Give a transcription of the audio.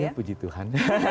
ya puji tuhan